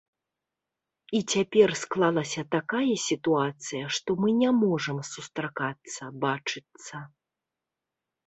І цяпер склалася такая сітуацыя, што мы не можам сустракацца, бачыцца.